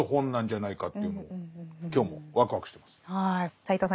斎藤さん